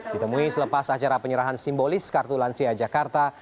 ditemui selepas acara penyerahan simbolis kartu lansia jakarta